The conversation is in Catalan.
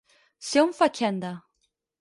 Ser un fatxenda.